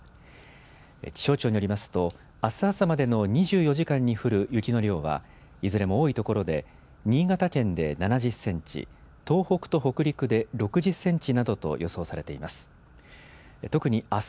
気象庁によりますと、あす朝までの２４時間に降る雪の量は、いずれも多い所で新潟県で７０センチ、東北と北陸で６０センチなどと予想されています。